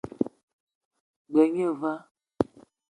G-beu gne va.